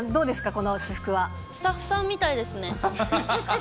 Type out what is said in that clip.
こスタッフさんみたいですね。